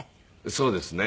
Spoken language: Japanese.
そうですね。